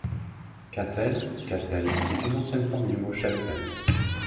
Catel ou cattel est une ancienne forme du mot cheptel.